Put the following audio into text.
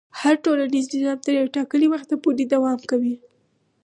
هر ټولنیز نظام تر یو ټاکلي وخته پورې دوام کوي.